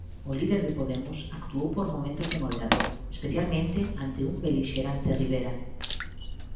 O líder de Podemos actuou por momentos de moderador, especialmente ante un belixerante Rivera.